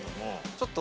ちょっと。